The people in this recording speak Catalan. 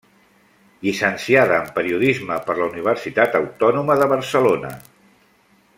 Llicenciada en periodisme per la Universitat Autònoma de Barcelona.